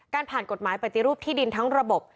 ผ่านกฎหมายปฏิรูปที่ดินทั้งระบบ